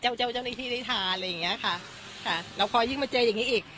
เจ้าเจ้าเจ้าหน้าที่ได้ทานอะไรอย่างเงี้ยค่ะค่ะแล้วพอยิ่งมาเจออย่างงี้อีก